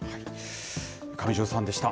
上條さんでした。